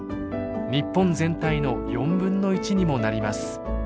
日本全体の４分の１にもなります。